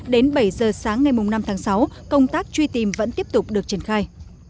đến bảy giờ sáng ngày năm tháng sáu công tác truy tìm vẫn tiếp tục được triển khai